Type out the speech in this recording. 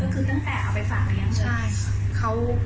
คือตั้งแต่เอาไปฝากเลี้ยงใช่